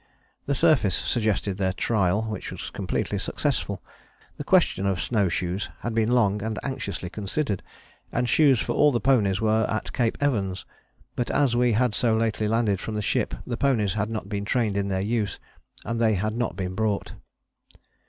The surface suggested their trial, which was completely successful. The question of snow shoes had been long and anxiously considered, and shoes for all the ponies were at Cape Evans; but as we had so lately landed from the ship the ponies had not been trained in their use, and they had not been brought.